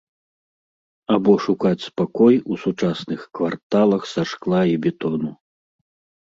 Або шукаць спакой у сучасных кварталах са шкла і бетону.